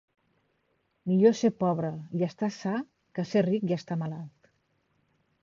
Millor ser pobre i estar sa que ser ric i estar malalt.